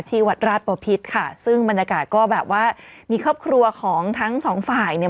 ที่วัดราชปพิษค่ะซึ่งบรรยากาศก็แบบว่ามีครอบครัวของทั้งสองฝ่ายเนี่ย